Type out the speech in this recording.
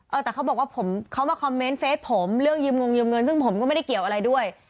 แต่เขาบอกว่าผมเขามาคอมเมนต์เฟสผมเรื่องยืมงยืมเงินซึ่งผมก็ไม่ได้เกี่ยวอะไรด้วย